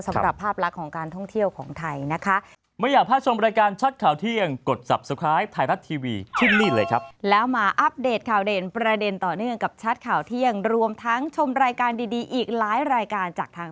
สำหรับภาพลักษณ์ของการท่องเที่ยวของไทยนะคะ